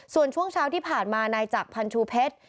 ส่วนช่วงเช้าที่ผ่านมานายจักรพันชูเพชร